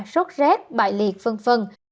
rốt rác bại liệt v v